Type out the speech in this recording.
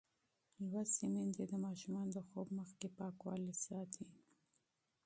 لوستې میندې د ماشومانو د خوب مخکې پاکوالی ساتي.